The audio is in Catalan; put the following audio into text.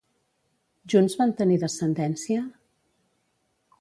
Junts van tenir descendència?